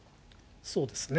そうですね。